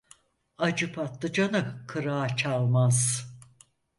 Acı patlıcanı kırağı çalmaz.